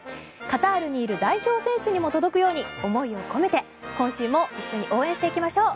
カタールにいる代表選手にも届くように思いを込めて今週も一緒に応援していきましょう。